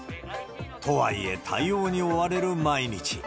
とはいえ、対応に追われる毎日。